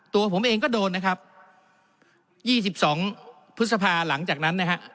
ตัวผมเองก็โดนนะครับ๒๒พฤษภาหลังจากนั้นนะฮะ